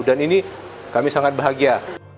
dan ini kami sangat bahagia